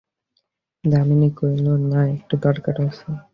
দামিনী কহিল, না, একটু দরকার আছে।